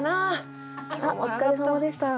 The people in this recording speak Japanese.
お疲れさまでした。